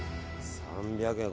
３００円。